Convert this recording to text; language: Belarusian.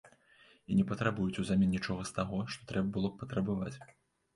І не патрабуюць узамен нічога з таго, што трэба было б патрабаваць.